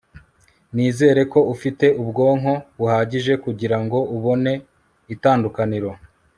nizere ko ufite ubwonko buhagije kugirango ubone itandukaniro